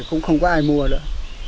cũng không có ai mua nữa